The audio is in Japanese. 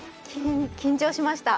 緊張しました。